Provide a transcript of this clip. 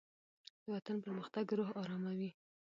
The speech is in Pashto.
دوطن پرمختګ روح آراموي